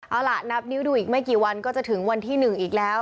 เอาล่ะนับนิ้วดูอีกไม่กี่วันก็จะถึงวันที่๑อีกแล้ว